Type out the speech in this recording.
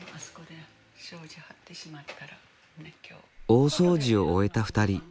大掃除を終えた２人。